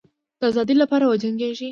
د آزادی لپاره وجنګېږی.